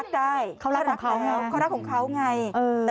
แบบนี้เลย